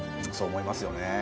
そう思いますよね。